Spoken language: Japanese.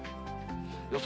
予想